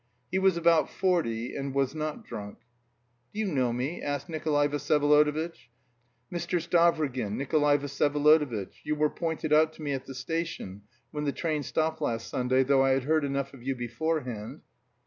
He was about forty, and was not drunk. "Do you know me?" asked Nikolay Vsyevolodovitch. "Mr. Stavrogin, Nikolay Vsyevolodovitch. You were pointed out to me at the station, when the train stopped last Sunday, though I had heard enough of you beforehand."